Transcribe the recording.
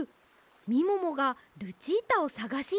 みももがルチータをさがしにいったんです！